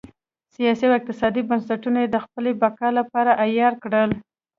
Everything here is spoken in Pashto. سیاسي او اقتصادي بنسټونه یې د خپلې بقا لپاره عیار کړل.